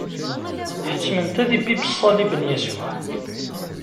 Ḥettmen-t ad ibibb ṣṣalib n Yasuɛ.